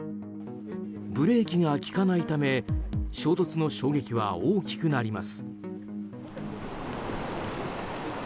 ブレーキが利かないため衝突の衝撃は大きくなります。